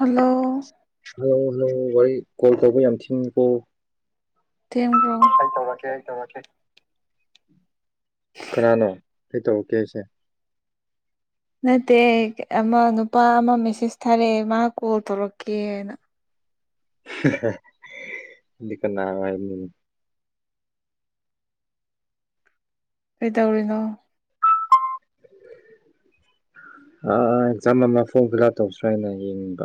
hello ꯑꯗꯨ ꯋꯥꯔꯤ call ꯇꯧꯕ ꯌꯥꯝ ꯊꯤꯀꯣ ꯊ꯭ꯔꯣ ꯑꯩ ꯇꯧꯔꯛꯀꯦ ꯑꯩ ꯇꯧꯔꯛꯀꯦ ꯀꯅꯥꯅꯣ ꯐ ꯇ ꯀꯦꯁ ꯅꯠꯇꯦ ꯑꯃ ꯅꯨꯄꯥ ꯑꯃ ꯃꯦꯁꯦꯁ ꯊꯥꯔꯛꯑꯦ ꯃꯥ ꯀꯣꯜ ꯇꯧꯔꯛꯀꯦꯅ ꯏ ꯀꯣ [unintelligible] [inaudible] ꯀꯩ ꯇꯧꯔꯤꯅꯣ ꯑꯥ ꯑꯦꯛꯖꯥꯝ ꯑꯃ ꯐꯣꯔꯝ ꯐꯤꯜ ꯑꯞ ꯇꯧꯁ꯭ꯔ ꯍꯥꯏꯅ ꯌꯦꯡꯅꯤꯡꯕ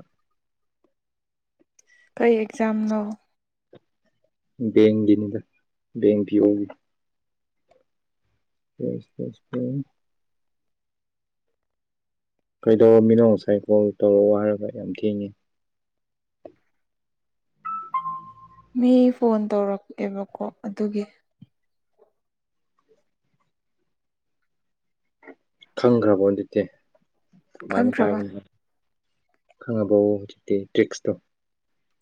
ꯀꯩ ꯑꯦꯛꯖꯝ ꯅ ꯕꯦꯡꯒꯤꯅꯤꯗ ꯕꯦꯡ ꯄ ꯑꯣꯏꯒꯤ ꯐꯦꯁ ꯐꯦꯁ ꯐꯦ ꯀꯩꯗꯧꯃꯤꯅꯣ ꯉꯁꯥꯏ ꯀꯣꯜ ꯇꯧꯔꯛꯑꯣ ꯍꯥꯏꯔꯒ ꯌꯥꯝ ꯊꯦꯡꯉꯤ [unintelligible] [inaudible] ꯃꯤ ꯐꯣꯟ ꯇꯧꯔꯛꯑꯦꯕꯀꯣ ꯑꯗꯨꯒꯤ ꯈꯪꯈ꯭ꯔꯕꯣ ꯑꯗꯨꯗꯤ ꯁꯃꯥꯏꯅ ꯈꯪꯈ꯭ꯔꯕ ꯄꯥꯏꯒꯅꯤ ꯈꯉꯕꯣ ꯍꯧꯖꯤꯛꯇꯛꯇꯦ ꯇ꯭ꯔꯤꯛꯁꯇꯣ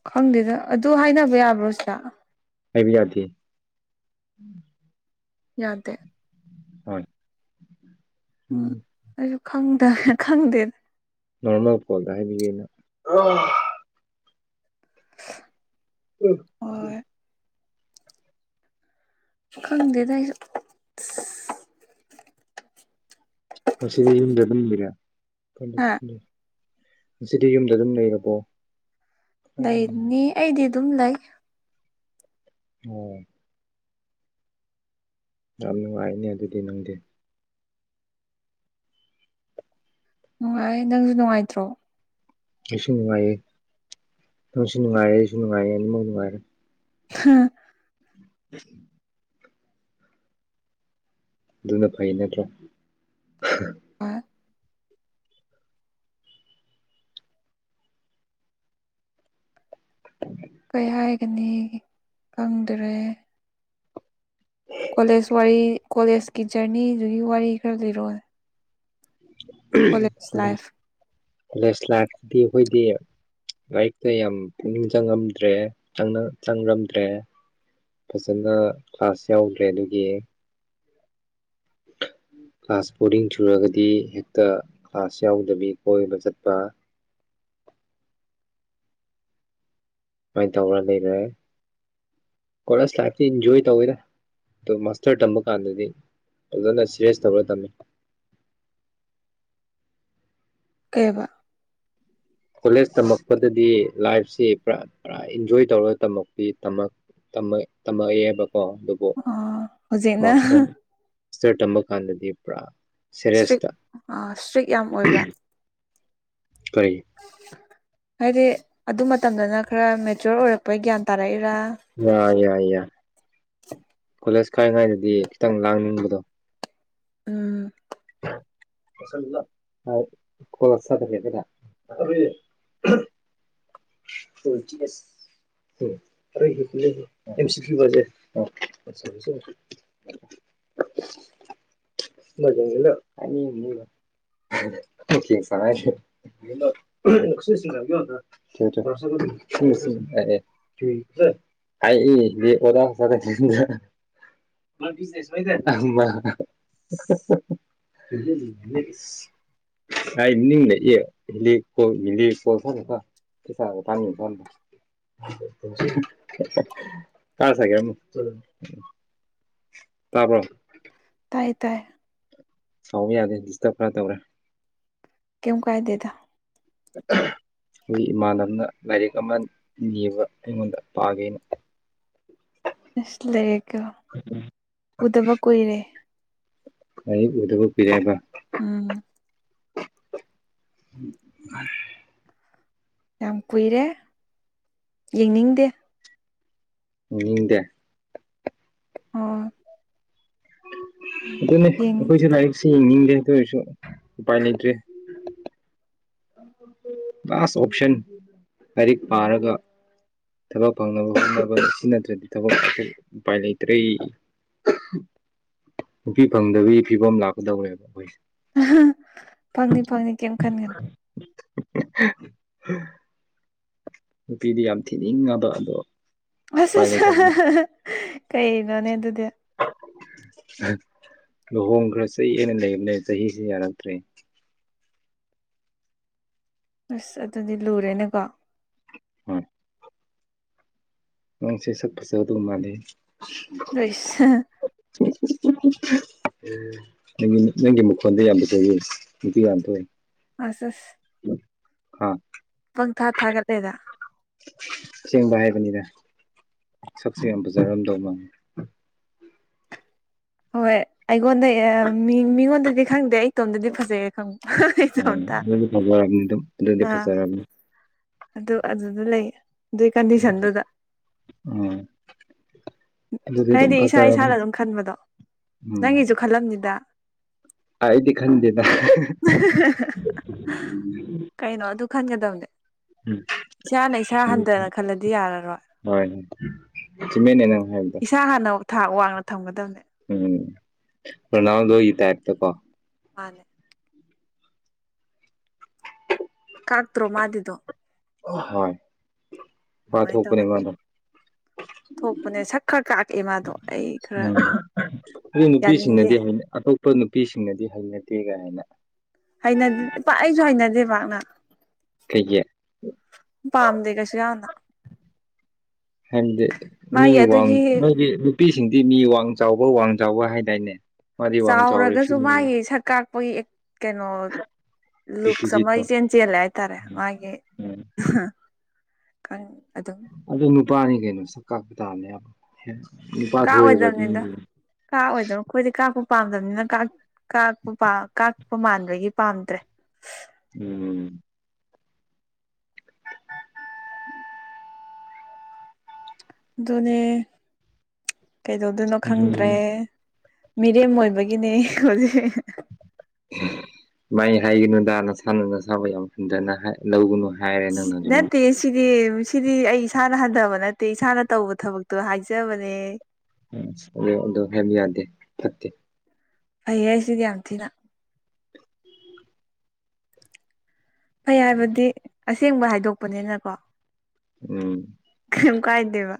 ꯈꯪꯗꯦꯗ ꯑꯗꯨ ꯍꯥꯏꯅꯕ ꯌꯥꯕ꯭ꯔꯣ ꯁꯤꯗ ꯍꯥꯏꯕꯤ ꯌꯥꯗꯤ ꯌꯥꯗꯦ ꯍꯣꯏ ꯎꯝ ꯑꯩꯁꯨ ꯈꯪꯗ ꯈꯪꯗꯦ ꯅꯣꯔꯃꯦꯜ ꯀꯣꯜꯗ ꯍꯥꯏꯕꯤꯒꯤꯦꯩꯅ [unintelligible] [inaudible] ꯍꯣꯏ ꯈꯪꯗ ꯇ ꯉꯁꯤ ꯌꯨꯝꯗꯕꯤꯔ ꯍꯥ ꯉꯁꯤꯗꯤ ꯌꯨꯝꯗ ꯑꯗꯨꯝ ꯂꯩꯔꯕꯣ ꯎꯝ, ꯂꯩꯅꯤ ꯑꯩꯗꯤ ꯑꯗꯨꯝ ꯂꯩ ꯑꯣ ꯌꯥꯝ ꯅꯨꯡꯉꯥꯏꯅꯦ ꯑꯗꯨꯗꯤ ꯅꯪꯗꯤꯦ ꯅꯨꯡꯉꯥꯏ ꯅꯪꯁꯨ ꯅꯨꯡꯉꯥꯏꯇ꯭ꯔꯣ ꯏꯁꯨ ꯅꯨꯡꯉꯥꯏ ꯅꯅꯨꯡꯁꯨ ꯅꯨꯡꯉꯥꯏ ꯏꯁꯨ ꯅꯨꯡꯉꯥꯏ ꯑꯅꯤ ꯃꯅꯅꯨꯡꯉꯥꯏꯔ ꯍꯥꯥ [inaudible] ꯑꯗꯨꯅ ꯐꯩ ꯅꯠꯇ꯭ꯔꯣ ꯑꯦꯅꯤ ꯀꯪꯗ꯭ꯔꯦ ꯀꯣꯂꯦꯖ ꯋꯥꯔꯤ ꯀꯣꯂꯦꯖꯀꯤ ꯖꯔꯅꯤꯗꯨꯒꯤ ꯋꯥꯔꯤ ꯈꯔ ꯂꯤꯔꯣꯏ ꯀꯣꯂꯦꯖ ꯀꯣꯂꯦꯖ ꯂꯥꯞꯇꯤ ꯑꯩꯈꯣꯏꯗꯤ ꯂꯥꯏꯔꯤꯛꯇ ꯌꯥꯝ ꯄꯨꯛꯅꯤꯡ ꯆꯪꯉꯝꯗ꯭ꯔꯦ ꯆꯪꯔꯝꯗ꯭ꯔꯦ ꯐꯖꯅ ꯀ꯭ꯂꯥꯁ ꯌꯥꯎꯗ꯭ꯔꯦ ꯑꯗꯨꯒꯤ [inaudible] ꯀ꯭ꯂꯥꯁ ꯕꯣꯔꯗꯤꯡ ꯆꯨꯔꯒꯗꯤ ꯍꯦꯛꯇ ꯀ꯭ꯂꯥꯁ ꯌꯥꯎꯗꯕꯤ ꯀꯣꯏꯕ ꯆꯠꯄ ꯀꯃꯥꯏꯅ ꯇꯧꯔ ꯂꯩꯔꯦ ꯀ ꯂꯥꯏ ꯏꯟꯖꯣꯏ ꯇꯧꯋꯤꯗ ꯑꯗꯣ ꯃꯥꯁꯇꯔ ꯇꯝꯕ ꯀꯥꯟꯗꯗꯤ ꯐꯖꯅ ꯁꯦꯔꯤꯦꯁ ꯇꯧꯔ ꯇꯝꯃꯤ [inaudible] ꯀꯦꯕ ꯀꯣꯂꯦꯖ ꯇꯝꯃꯛꯄꯗꯗꯤ ꯂꯥꯏꯐꯁꯤ ꯄꯨꯔꯥ ꯄꯨꯔꯥ ꯏꯟꯖꯣꯏ ꯇꯧꯔꯒ ꯇꯝꯃꯛꯄꯤ ꯇꯃꯛ ꯇꯝꯃꯛꯑꯦꯕꯀꯣ ꯑꯗꯨ ꯁꯇꯔ ꯍꯧꯖꯤꯛꯅ ꯃꯥꯁꯇꯔ ꯇꯝꯕ ꯀꯥꯟꯗꯗꯤ ꯄꯨꯔꯥ ꯏꯁꯇ꯭ꯔꯤꯛ ꯁꯦꯔꯦꯁꯇ ꯏꯁꯇ꯭ꯔꯤꯛ ꯌꯥꯝ ꯑꯣꯏꯕ꯭ꯔꯥ ꯀꯔꯤ ꯍꯥꯏꯗꯤ ꯑꯗꯨ ꯃꯇꯝꯗꯅ ꯈꯔ ꯃꯦꯆꯣꯔ ꯑꯣꯏꯔꯛꯄꯩ ꯒ꯭ꯌꯥꯟ ꯇꯥꯔꯛꯏ ꯑ ꯀꯣꯂꯦꯖ ꯀꯥꯏꯉꯥꯏꯗꯗꯤ ꯈꯤꯇꯪ ꯂꯥꯡꯅꯤꯡꯕꯗꯣ ꯎꯝ ꯀꯗꯗꯔ [unintelligible] [unintelligible] [inaudible] ꯃꯖꯥ ꯏꯂ ꯑ ꯁꯥꯏꯒ [inaudible] ꯑꯩ ꯑꯣ ꯅꯦꯁꯗ [inaudible] ꯀꯥꯏ ꯃꯤ ꯍ ꯀꯣ ꯍꯂꯤ ꯀꯣ ꯊꯀ ꯀꯁꯥ ꯇꯥꯥꯟ ꯊꯣ [unintelligible] ꯇꯥꯕ꯭ꯔꯣ ꯇꯥꯏ ꯇꯥꯏ ꯍꯥꯎꯕ ꯌꯥꯗꯦ ꯗꯤꯁꯇꯔꯕ ꯈꯔ ꯇꯧꯔꯦ ꯀꯃ ꯀꯥꯏꯗꯦꯗ [inaudible] ꯑꯩꯈꯣꯏ ꯏꯃꯥꯟꯅꯕꯅ ꯂꯥꯏꯔꯤꯛ ꯑꯃ ꯅꯤꯕ ꯑꯩꯉꯣꯟꯗ ꯄꯥꯒꯦꯅ ꯂꯩ ꯀ ꯎꯗꯕ ꯀꯣꯏꯔꯦ ꯑꯩ ꯎꯗꯕ ꯄꯔꯕ ꯎꯝ ꯑ ꯌꯥꯝ ꯀꯨꯏꯔꯦ ꯌꯦꯡꯅꯤꯡꯗꯦ ꯎꯗꯦ ꯑꯣ ꯑꯗꯨꯅꯦ ꯌꯦꯡ ꯑꯩꯈꯣꯏꯁꯨ ꯂꯥꯏꯔꯤꯛꯁꯤ ꯌꯦꯡꯅꯤꯡꯉ ꯀꯁꯨꯥꯏꯅꯤꯇ꯭ꯔꯔꯤ ꯂꯥꯁ ꯑꯣꯞꯁꯟ ꯂꯥꯏꯔꯤꯛ ꯄꯥꯔꯒ ꯊꯕꯛ ꯐꯪꯅꯕ ꯍꯣꯠꯅꯕ ꯁꯤ ꯅꯠꯇ꯭ꯔꯗꯤ ꯊꯕꯛꯈ ꯎꯄꯥꯏ ꯂꯩꯇ꯭ꯔꯦ ꯅꯨꯄꯤ ꯐꯪꯗꯕꯒꯤ ꯐꯤꯕꯝ ꯂꯥꯛꯀꯗꯧꯔꯦꯕ ꯑꯩꯈꯣꯏꯁꯦ ꯐꯪꯅꯤ ꯐꯪꯅꯤ ꯀꯩꯝ ꯈꯟꯒꯅꯨ ꯍ [unintelligible] [inaudible] ꯅꯨꯄꯤꯗꯤ ꯌꯥꯝ ꯊꯤꯅꯤꯡꯉꯗ ꯑꯗꯣ ꯑꯁ ꯎꯄꯥꯏ ꯑꯁ ꯂꯩꯇꯕ ꯀꯩꯅꯣꯅꯦ ꯑꯗꯨꯗꯤ ꯂꯨꯍꯣꯡꯈ꯭ꯔ ꯆꯩ ꯑꯅ ꯂꯩꯕꯅꯦ ꯆꯍꯤꯁꯤ ꯌꯥꯔꯛꯇ꯭ꯔꯦ ꯑꯁ ꯑꯗꯨꯗꯤ ꯂꯨꯔꯦꯅꯦꯀꯣ ꯍꯝ ꯅꯪꯁꯦ ꯁꯠꯄꯁꯨ ꯑꯗꯨ ꯃꯥꯜꯂꯤꯦ ꯁ [unintelligible] [inaudible] ꯅꯒꯤ ꯅꯪꯒꯤ ꯃꯈꯣꯟꯗ ꯌꯥꯝ ꯄꯨꯊꯣꯛꯑ ꯅꯨꯡꯇꯤ ꯌꯥꯝ ꯊꯣꯛꯑꯦ ꯑꯁꯁ [unintelligible] [inaudible] ꯑ [unintelligible] [inaudible] ꯄꯪ ꯊꯥ ꯊꯥꯒꯠꯂꯦꯗ ꯆꯦꯡꯕ ꯍꯥꯏꯕꯅꯤꯅ ꯁꯛꯁꯦꯡ ꯌꯥꯝ ꯐꯖꯔꯝꯗꯧ ꯃꯪꯉ ꯍꯣꯏ ꯑꯩꯉꯣꯟꯗ ꯃꯤ ꯃꯤꯉꯣꯟꯗꯗꯤ ꯈꯪꯗꯦ ꯑꯩ ꯏꯇꯣꯝꯗꯗꯤ ꯐꯖꯩꯌꯦ ꯈꯪ ꯐ ꯐ ꯑꯥ [unintelligible] [inaudible] ꯑꯗꯨ ꯑꯗꯨꯗ ꯂꯩ ꯑꯗꯨꯏ ꯀꯟꯗꯤꯁꯟꯗꯨꯗ ꯑꯥ ꯑꯗꯨꯗꯤ ꯑꯗꯨꯝ ꯍꯥꯏꯗꯤ ꯏꯁꯥ ꯏꯁꯥꯅ ꯐꯖꯔꯕꯅꯤ ꯑꯗꯨꯝ ꯈꯟꯕꯗꯣ ꯅꯪꯒꯤꯁꯨ ꯈꯜꯂꯝꯅꯤꯗ ꯑꯗꯤ ꯈꯟꯗꯗ ꯀꯩꯅꯣ ꯑꯗꯨ ꯈꯟꯒꯗꯕꯅꯦ ꯏꯁꯥꯅ ꯏꯁꯥ ꯍꯟꯊꯅ ꯈꯜꯂꯗꯤ ꯌꯥꯔꯔꯣꯏ ꯍꯣꯏ ꯆꯨꯝꯃꯦꯅꯦ ꯅꯪ ꯍꯥꯏꯕꯗꯣ ꯏꯁꯥ ꯍꯥꯟꯅ ꯊꯥꯛ ꯋꯥꯡꯅ ꯊꯝꯒꯗꯕꯅꯦ ꯎꯝ ꯄ ꯅꯎꯗꯣꯒꯇꯥꯏꯔ ꯇ ꯀꯣ ꯃꯥꯅꯦ ꯀꯥꯥꯛꯇ꯭ꯔꯣ ꯃꯥꯗꯗꯨꯣ ꯍ ꯋꯥ ꯑꯗꯨꯃꯥꯏꯅ ꯇꯧꯒꯅ ꯍꯒꯃꯅ [unintelligible] [inaudible] ꯊꯣꯛꯄꯅꯦ ꯁꯛ ꯈꯔ ꯀꯥꯑꯦ ꯃꯥꯗꯣ ꯑꯩ ꯈꯔ ꯎꯝ ꯑꯗꯨ ꯌꯥꯅꯤꯡꯗꯦ ꯅꯨꯄꯤꯁꯤꯡꯅꯗꯤ ꯍꯩꯅ ꯑꯇꯣꯞꯄ ꯅꯨꯄꯤꯁꯤꯡꯅꯗꯤ ꯍꯩꯅꯗꯦ ꯀ ꯍꯥꯏꯅ ꯍꯩꯅ ꯏꯄꯥ ꯑꯩꯁꯨ ꯍꯩꯅꯗꯦꯕꯅ ꯀꯩꯒꯤ ꯄꯥꯝꯗ ꯀꯁ ꯍꯥꯏꯅ ꯍꯟꯗꯦ ꯃꯤ ꯃꯥꯒꯤ ꯑꯗꯨꯒꯤ ꯋꯥꯡꯒꯤ ꯅꯨꯄꯤ ꯁꯤꯡꯗꯤ ꯃꯤ ꯋꯥꯡ ꯆꯥꯎꯕ ꯋꯥꯡ ꯆꯥꯎꯕ ꯍꯥꯏꯗꯥꯏꯅꯦ ꯃꯥꯗꯤ ꯋꯥꯡ ꯆꯥꯎꯔꯦ ꯆꯥꯎꯔꯒꯁꯨ ꯁꯤꯅꯦ ꯃꯥꯒꯤ ꯁꯛ ꯀꯥꯛꯄꯒꯤ ꯀꯩꯅꯣ ꯂꯨꯛ ꯁ ꯔꯦꯀ꯭ꯋꯤꯖꯤꯠꯇꯣ ꯆꯦꯟꯦꯟꯁꯤꯂꯦ ꯍꯥꯏ ꯇꯔꯦ ꯃꯥꯦ ꯎꯝ ꯀ ꯑꯗꯨ ꯑꯗꯨꯝ ꯑꯗꯨ ꯅꯨꯄꯥꯅꯤ ꯀꯩꯅꯣ ꯁꯛ ꯀꯥꯄ ꯇꯥꯔꯅꯦꯕ ꯀꯥꯑꯣꯏꯗꯕꯅꯤꯗ ꯀꯥꯑꯣꯏꯗꯕ ꯑꯩꯈꯣꯏꯗꯤ ꯀꯥꯞꯄ ꯄꯥꯝꯗꯕꯅꯤꯅ ꯀ ꯀꯥꯛꯄ ꯃꯥꯟꯕꯒꯤ ꯄꯥꯝꯗ꯭ꯔꯦ ꯎꯝ ꯑꯗꯨꯅꯦ ꯀꯩꯗꯧꯗꯣꯏꯅꯣ ꯈꯪꯗ꯭ꯔꯦ ꯎꯝ ꯃꯤꯔꯦꯝ ꯑꯣꯏꯕꯒꯤꯅꯦ ꯍꯧꯖꯤꯛ ꯃꯥꯏ ꯍꯥꯏꯒꯅꯨ ꯗꯥꯅ ꯁꯥꯟꯅꯅ ꯁꯥꯕ ꯌꯥꯝ ꯍꯟꯖꯅ ꯂꯧꯒꯅꯨ ꯍꯥꯏ ꯅ ꯇꯁꯤ ꯁꯤꯗꯤ ꯁꯤꯗꯤ ꯑꯩ ꯏꯁꯥꯅ ꯍꯟꯊꯕ ꯅꯠꯇꯦ ꯏꯁꯥꯅ ꯇꯧꯕ ꯊꯕꯛꯇꯣ ꯍꯥꯏꯖꯕꯅꯦ ꯑꯗꯨ ꯑꯗꯨꯣ ꯍꯥꯏ ꯌꯥꯗꯦ ꯐꯠꯇꯦ ꯐꯩꯌꯦ ꯑꯩꯁꯤꯗꯤ ꯌꯥꯝ ꯊꯤꯅ ꯐꯩ ꯍꯥꯏꯕꯗꯤ ꯑꯁꯦꯡꯕ ꯍꯥꯏꯗꯣꯛꯄꯅꯤꯅꯀꯣ ꯎꯝ ꯌꯥꯝꯝ ꯀꯥꯏꯗꯦꯕ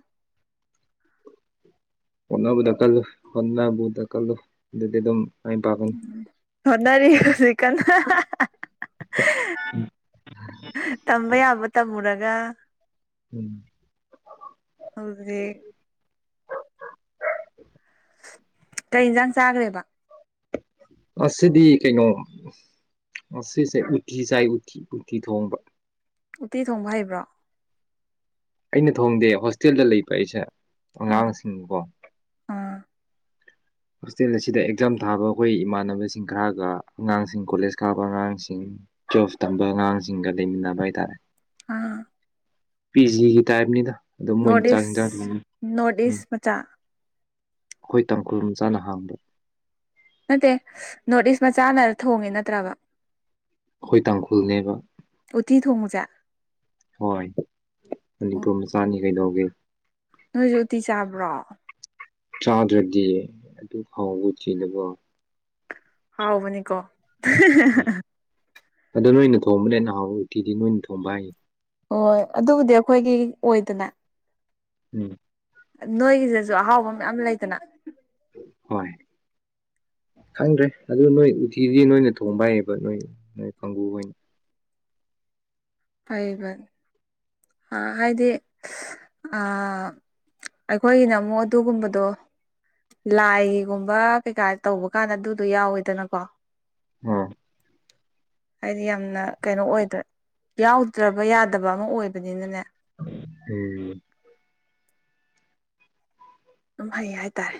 ꯀꯅꯥꯕꯨ ꯗꯀꯜꯨ ꯍꯅꯥꯕꯨ ꯗꯀꯜꯨꯗꯤ ꯑꯗꯨꯝ ꯃꯥꯏ ꯄꯥꯛꯀꯅꯤ ꯍꯅꯔꯤꯁꯤ ꯀꯅ ꯇꯝꯕ ꯌꯥꯕ ꯇꯝꯃꯨꯔꯒ ꯎꯝ ꯍ‌ꯦ ꯀꯩ ꯌꯦꯟꯁꯥꯡ ꯆꯥꯈ꯭ꯔꯦꯕ ꯑꯁꯗꯤ ꯀꯩꯅꯣ ꯑꯁꯤꯁꯦ ꯎꯇꯤ ꯆꯥꯏ ꯎꯠꯇꯤ ꯎꯇꯤ ꯊꯣꯡꯕ ꯎꯇꯤ ꯊꯣꯡꯕ ꯍꯩꯕ꯭ꯔꯣ ꯑꯩꯅ ꯊꯣꯡꯗꯦ ꯍꯣꯁꯇꯦꯜꯗ ꯂꯩꯕ ꯑꯩꯁꯦ ꯑ ꯑꯉꯥꯡꯁꯤꯡꯀꯣ ꯑꯥ ꯍꯣꯁꯇꯦꯜ ꯑꯁꯤꯗ ꯑꯦꯛꯖꯥꯝ ꯊꯥꯕ ꯑꯩꯈꯣꯏ ꯏꯃꯥꯟꯅꯕꯁꯤꯡ ꯈꯔꯒ ꯑꯉꯥꯡꯁꯤꯡ ꯀꯣꯂꯦꯖ ꯀꯥꯕ ꯑꯉꯥꯡꯁꯤꯡ ꯆꯣꯞ ꯇꯝꯕ ꯑꯉꯥꯡꯁꯤꯡꯒ ꯂꯩꯃꯤꯟꯅꯕ ꯍꯥꯏꯇꯥꯔꯦ ꯑꯥ ꯄꯤꯖꯤꯒꯤ ꯇꯥꯏꯞꯅꯤꯗ ꯑꯗꯨꯝ ꯃꯣꯏꯅ ꯅꯣꯔꯠ ꯆꯥꯡ ꯏꯁ ꯌꯦꯟꯖꯥꯡ ꯅꯣꯔꯠ ꯎꯝ ꯏꯁ ꯃꯆꯥ ꯑꯩꯈꯣꯏ ꯇꯥꯡꯈꯨꯜ ꯆꯥꯅ ꯍꯥꯡꯕ ꯅꯠꯇꯦ ꯅꯣꯔꯠ ꯏꯁ ꯃꯆꯥꯅ ꯊꯣꯡꯉꯦ ꯅꯠꯇ꯭ꯔꯕ ꯑꯩꯈꯣꯏ ꯇꯥꯡꯈꯨꯜꯅꯦꯕ ꯆꯥꯛ ꯍꯣꯏ ꯃꯅꯤꯄꯨꯔ ꯃꯆꯥꯅꯤ ꯀꯩꯗꯧꯒꯦ ꯅꯣꯏꯁꯨ ꯎꯇꯤ ꯆꯥꯕ꯭ꯔꯣ ꯆꯥꯗ꯭ꯔꯗꯤ ꯑꯗꯨ ꯍꯥꯎꯕ ꯆꯦꯜꯂꯀꯣ ꯍꯥꯎꯕꯅꯤꯀꯣ ꯑꯣ ꯅꯣꯏꯅ ꯊꯣꯡꯕꯅꯦ ꯑ ꯅꯍꯥꯎꯕ ꯎꯇꯤꯗꯤ ꯅꯣꯏꯅ ꯊꯣꯡꯕ ꯍꯥꯏꯌꯦ ꯍꯣꯏ ꯑꯗꯨꯕꯨꯗꯤ ꯑꯩꯈꯣꯏꯒꯤ ꯑꯣꯏꯗꯅ ꯎꯝ ꯅꯣꯏꯒꯤꯁꯤꯁꯨ ꯑꯍꯥꯎꯕ ꯃꯌꯥꯝ ꯂꯩꯗꯅ ꯍꯣꯏ ꯈꯪꯗ꯭ꯔꯦ ꯑꯗꯨ ꯅꯣꯏ ꯎꯇꯤꯗꯤ ꯅꯣꯏꯅ ꯊꯣꯡꯕ ꯍꯥꯏꯌꯦꯕ ꯅꯣꯏ ꯅꯣꯏ ꯀꯥꯡꯒꯨ ꯑꯣꯏꯅ ꯐꯩꯕꯅꯤ ꯑ ꯍꯥꯏꯗꯤ ꯑ ꯑꯩꯈꯣꯏꯒꯤꯅ ꯑꯃꯨꯛ ꯑꯗꯨꯒꯨꯝꯕꯗꯣ ꯂꯥꯏꯒꯨꯝꯕ ꯀꯩꯀꯥ ꯇꯧꯕ ꯀꯥꯟꯗ ꯑꯗꯨꯗꯣ ꯌꯥꯎꯋꯤꯗꯅꯀꯣ ꯑꯝ ꯍꯥꯏꯗꯤ ꯌꯥꯝꯅ ꯀꯩꯅꯣ ꯑꯣꯏꯗ꯭ꯔꯦ ꯌꯥꯎꯗ꯭ꯔꯕ ꯌꯥꯗꯕ ꯑꯃ ꯑꯣꯏꯕꯅꯤꯅꯅꯦ ꯎꯝ ꯑꯗꯨꯝ ꯐꯩ ꯍꯥꯏꯇꯥꯔꯦ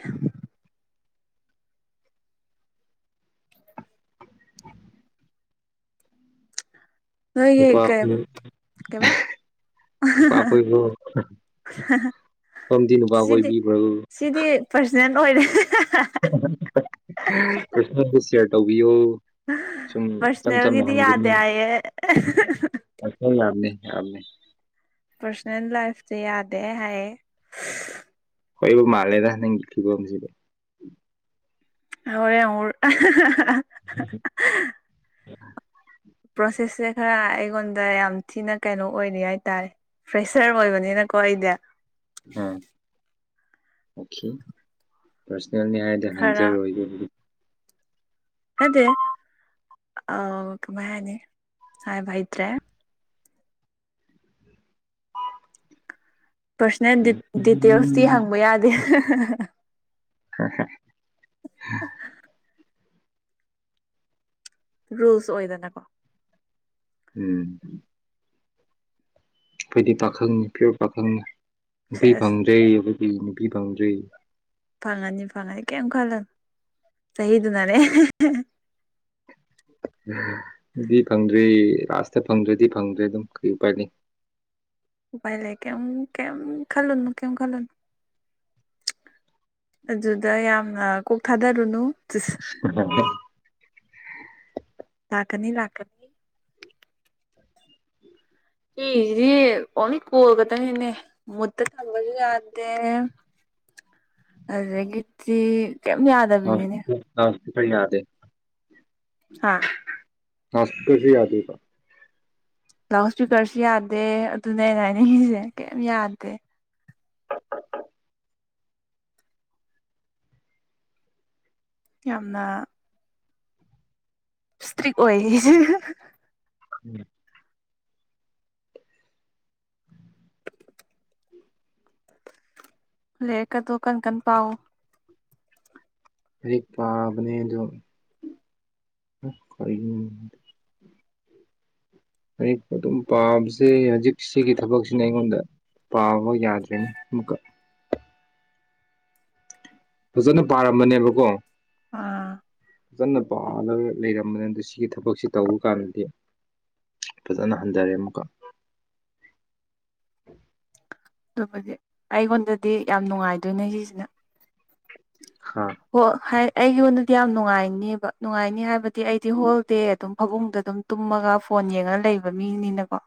ꯅꯣꯏꯒꯤ ꯅꯨꯄꯥ ꯀꯩ ꯀꯩꯕꯥ ꯄꯥꯈꯣꯏꯣ ꯐꯝꯗꯤ ꯅꯨꯨꯄꯥ ꯑꯣꯏꯕꯤꯕ꯭ꯔꯕ ꯏꯗꯦꯟ ꯑꯣꯏꯔꯦ ꯀ꯭ꯔꯤꯁꯅꯁꯦ ꯁꯤꯌꯥꯔ ꯇꯧꯕꯤꯌꯨ ꯁꯨꯝ ꯏꯆꯝ ꯆꯝꯅ ꯄꯔꯁꯣꯅꯦꯜꯒꯤꯗꯤ ꯌꯥꯗꯦ ꯍꯥꯡꯕꯤꯅꯤꯪ ꯍꯥꯏꯌꯦ ꯂꯥꯛꯑꯅꯤ ꯌꯥꯝꯃꯦ ꯄꯔꯁꯣꯅꯦꯜ ꯂꯥꯏꯐꯁꯦ ꯌꯥꯗꯦ ꯍꯥꯏꯌꯦ ꯍꯣꯏꯕꯨ ꯃꯥꯜꯦꯗ ꯅ ꯀ ꯀꯝꯁꯤꯕ ꯍꯔꯦꯔ ꯄ꯭ꯔꯣꯁꯦꯁꯁꯦ ꯈꯔ ꯑꯩꯉꯣꯟꯗ ꯌꯥꯝ ꯊꯤꯅ ꯀꯩꯅꯣ ꯑꯣꯏꯔꯤ ꯍꯥꯏꯇꯥꯔꯦ ꯐ꯭ꯔꯦꯁꯔ ꯑꯣꯏꯕꯅꯤꯅ ꯀꯣꯏꯗ ꯑ ꯑꯣꯀꯦ [unintelligible] ꯆꯅꯤ ꯍꯥꯏꯔꯗꯤ ꯍꯪꯖꯔꯣꯏꯗ ꯑꯗꯦ ꯑ ꯀꯃꯥꯏꯅꯤ ꯍꯥꯏꯕ ꯏꯗ꯭ꯔꯦ ꯄꯥꯔꯁꯣꯅꯦꯜ ꯎꯝ ꯗꯤꯇꯦꯜꯁꯇꯤ ꯍꯪꯕ ꯌꯥꯗꯦ ꯍ ꯍ [inaudible] ꯔꯨꯜꯁ ꯑꯣꯏꯗꯅꯀꯣ ꯎꯝ ꯗꯤ ꯄꯥꯈꯪꯅꯤ ꯄꯤꯌꯣꯔ ꯁꯦꯁ ꯄꯥꯈꯪꯄꯤꯕꯤꯕꯪꯗ꯭ꯔꯩ ꯑꯩ ꯅꯨꯄꯤ ꯐꯥꯡꯖꯩ ꯐꯪꯉꯅꯤ ꯐꯪꯉꯅꯤ ꯀꯩꯝ ꯈꯜꯂ ꯁꯩꯗꯨ ꯅꯅꯦ ꯗꯤ ꯐꯪꯗ꯭ꯔꯦ ꯂꯥꯁꯇ ꯐꯪꯗ꯭ꯔꯗꯤ ꯐꯪꯗ꯭ꯔꯦ ꯑꯗꯨꯝ ꯀꯩ ꯎꯄꯥꯏꯅꯤ ꯎꯥꯏ ꯂꯩ ꯀ ꯀ ꯈꯜꯣꯟ ꯀꯃ ꯈꯜꯣꯟ ꯑꯗꯨꯗ ꯌꯥꯝꯅ ꯀꯣꯛ ꯊꯥꯗꯔꯨꯅꯨ ꯑꯣ ꯇꯥꯛꯀꯅꯤ ꯂꯥꯛꯀꯅꯤ ꯍꯤꯗꯤ ꯑꯣꯅꯤ ꯀꯣꯜꯀꯇꯥꯅꯤꯅꯦ ꯃꯗ ꯊꯝꯕꯄꯁꯨ ꯌꯥꯗꯦ ꯑꯗꯒꯤꯘꯤ ꯀꯝ ꯌꯥꯗꯕꯤꯅꯤꯅꯦ ꯐ ꯌꯥꯗꯦ ꯍꯥꯥ ꯍꯁꯄꯤꯇꯜꯁꯤ ꯌꯥꯗꯕ ꯂꯥꯎꯠ ꯏꯁꯄꯤꯀꯔꯁꯨ ꯌꯥꯗꯦ ꯑꯗꯨꯅꯦꯩꯅ ꯍꯥꯏꯅꯤꯡꯉꯁꯦ ꯀꯩ ꯌꯥꯗꯦ ꯌꯥꯝꯅ ꯏꯁꯇ꯭ꯔꯤꯛ ꯑꯣꯏ ꯎꯝ ꯂꯩꯦ ꯀ ꯇꯣ ꯀꯟ ꯀꯟ ꯄꯥꯑꯣ ꯍꯧꯗꯤ ꯄꯥꯕꯅꯦ ꯑ ꯑꯗꯨꯣ ꯀ ꯑꯛ ꯑꯗꯨꯝ ꯄꯥꯕꯁꯦ ꯍꯧꯖꯤꯛ ꯁꯤꯒꯤ ꯊꯕꯛꯁꯤꯅ ꯑꯩꯉꯣꯟꯗ ꯄꯥꯕꯣ ꯌꯥꯗꯀ ꯐꯖꯅ ꯄꯥꯔꯝꯕꯅꯦꯕꯀꯣ ꯑꯥ ꯐꯖꯅ ꯄꯥꯂꯒ ꯂꯩꯔꯝꯕꯅꯤꯅ ꯑꯗ ꯁꯤꯒꯤ ꯊꯕꯛꯁꯤ ꯇꯧꯕ ꯀꯥꯟꯗꯗꯤ ꯐꯖꯅ ꯍꯟꯊꯔꯦ ꯑꯃꯨꯛꯀ [inaudible] ꯑꯗꯨꯕꯨꯗꯤ ꯑꯩꯉꯣꯟꯗꯗꯤ ꯌꯥꯝ ꯅꯨꯡꯉꯥꯏꯗꯣꯏꯅꯦ ꯁꯤꯁꯤꯅ ꯑꯥ ꯑꯣ ꯍꯥꯏ ꯑꯩꯒꯤꯉꯣꯟꯗꯗꯤ ꯌꯥꯝ ꯅꯨꯡꯉꯥꯏꯅꯦꯕ ꯅꯨꯡꯉꯥꯏꯅꯤ ꯍꯥꯏꯕꯗꯤ ꯑꯩꯗꯤ ꯍꯣꯜꯗꯦ ꯑꯗꯨꯝ ꯐꯥꯕꯨꯡꯗ ꯑꯗꯨꯝ ꯇꯨꯝꯃꯒ ꯐꯣꯟ ꯌꯦꯡꯉꯒ ꯂꯩꯕ ꯃꯤꯅꯤꯅꯀꯣ